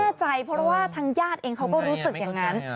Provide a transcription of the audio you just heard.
แน่ใจเพราะว่าทางญาติเองเขาก็รู้สึกอย่างนั้น